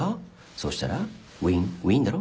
そしたらウィンウィンだろ？